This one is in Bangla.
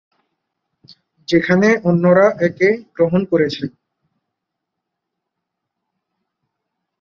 যেখানে অন্যরা একে গ্রহণ করেছেন।